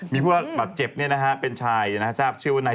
มีผู้หรือบาดเจ็บเป็นชายชื่อวันไหน